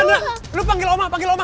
lo rupanya bah hamba